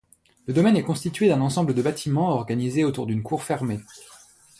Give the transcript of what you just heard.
Le domaine est constitué d'un ensemble de bâtiments organisé autour d'une cour fermée.